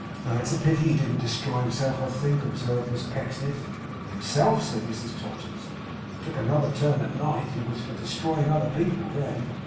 'It's a pity he didn't destroy himself, I think,' observed Miss Pecksniff. 'Himself!' said Mrs Todgers, 'it took another turn at night. He was for destroying other people then.